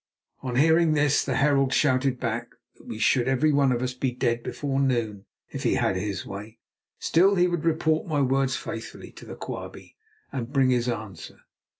On hearing this the herald shouted back that we should every one of us be dead before noon if he had his way. Still, he would report my words faithfully to Quabie and bring his answer.